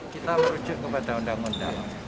kita merujuk kepada undang undang